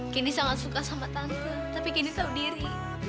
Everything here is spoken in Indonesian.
candy sangat suka sama tante tapi candy tau diri